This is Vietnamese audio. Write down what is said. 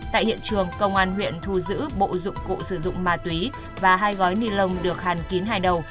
tại hiện trường công an huyện thu giữ bộ dụng cụ sử dụng ma túy và hai gói ni lông được hàn kín hai đầu